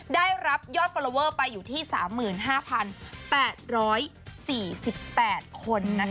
ได้รับยอดฟอลลอเวอร์ไปอยู่ที่๓๕๘๔๘คน